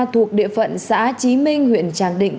thuộc địa phận xã chí minh huyện tràng định